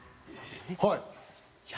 はい。